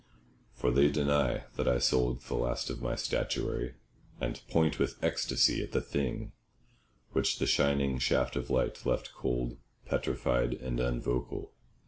For they deny that I sold the last of my statuary, and point with ecstasy at the thing which the shining shaft of light left cold, petrified, and unvocal.